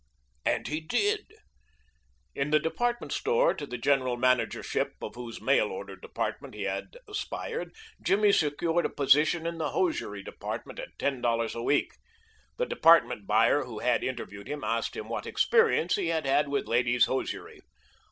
And he did. In the department store to the general managership of whose mail order department he had aspired Jimmy secured a position in the hosiery department at ten dollars a week. The department buyer who had interviewed him asked him what experience he had had with ladies' hosiery.